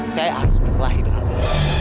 saya harus berkelahi dulu